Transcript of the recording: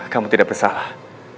kamu tidak bersalah